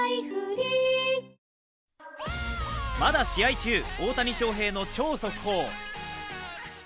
まだ試合中、大谷翔平の超速報。